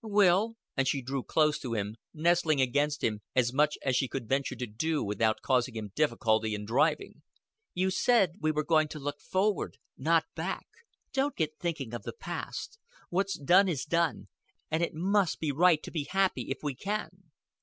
"Will," and she drew close to him, nestling against him as much as she could venture to do without causing him difficulty in driving, "you said we were to look forward, not back. Don't get thinking of the past. What's done is done and it must be right to be happy if we can."